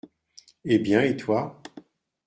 Eh bien, et toi ?